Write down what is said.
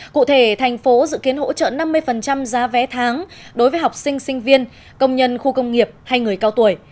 cụ thể thành phố dự kiến hỗ trợ năm mươi giá vé tháng đối với học sinh sinh viên công nhân khu công nghiệp hay người cao tuổi